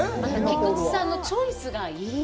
菊地さんのチョイスがいい！